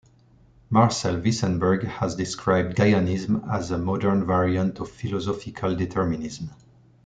Marcel Wissenburg has described Gaianism as a "modern variant of philosophical determinism".